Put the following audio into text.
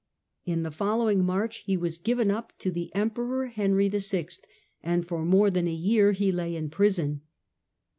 In the following March he was given up to the Emperor Henry VI., and for more than a year he lay in prison.